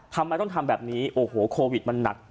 ทำไมต้องทำแบบนี้โอ้โหโควิดมันหนัก